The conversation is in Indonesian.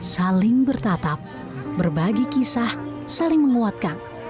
saling bertatap berbagi kisah saling menguatkan